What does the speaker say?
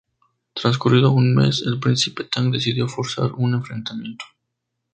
Transcurrido un mes, el príncipe Tang decidió forzar un enfrentamiento.